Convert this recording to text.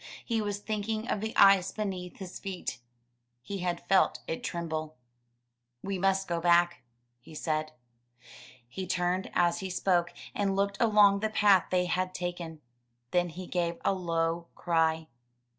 He was thinking of the ice beneath his feet. He had felt it tremble. ''We must go back,'* he said. He turned as he spoke, and looked along the path they had taken. Then he gave a low cry.